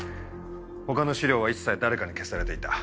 他の資料は一切誰かに消されていた。